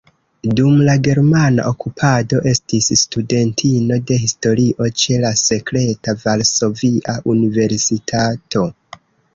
Dum la germana okupado estis studentino de historio ĉe la sekreta Varsovia Universitato.